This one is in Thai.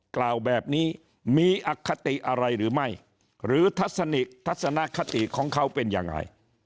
กล่าวแบบนี้มีอคติอะไรหรือไม่หรือทัศนิทัศนคติของเขาเป็นยังไง